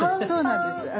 そうなんです。